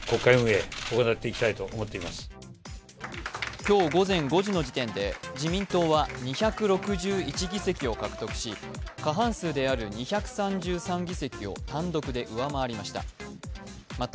今日午前５時の時点で自民党は２６１議席を獲得し過半数である２３３議席を単独で上回りました。